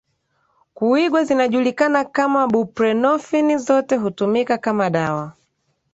kuigwa zinajulikana kama buprenofini zote hutumika kama dawa